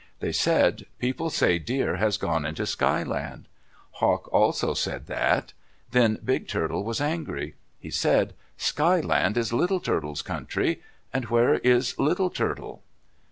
They said, "People say Deer has gone into Sky Land." Hawk also said that. Then Big Turtle was angry. He said, "Sky Land is Little Turtle's country. And where is Little Turtle?"